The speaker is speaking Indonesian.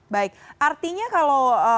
baik artinya kalau